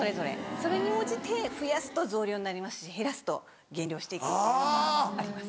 それに応じて増やすと増量になりますし減らすと減量して行くっていうのがあります。